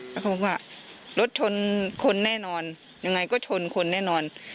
แล้วเขาบอกว่ารถชนคนแน่นอนยังไงก็ชนคนแน่นอน